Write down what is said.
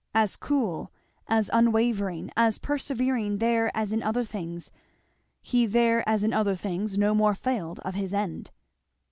As cool, as unwavering, as persevering there as in other things, he there as in other things no more failed of his end.